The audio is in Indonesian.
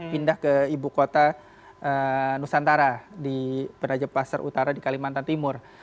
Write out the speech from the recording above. pindah ke ibu kota nusantara di penajam pasar utara di kalimantan timur